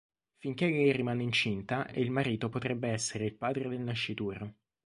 Finché lei rimane incinta e il marito potrebbe essere il padre del nascituro.